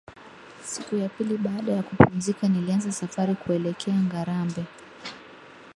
Siku ya pili baada ya kupumzika nilianza safari kuelekea Ngarambe